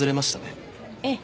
ええ。